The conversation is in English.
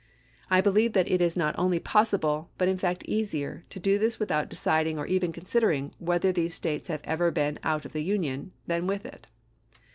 I believe that it is not only possible, but in fact easier, to do this without de ciding or even considering whether these States have ever been out of the Union, than with it.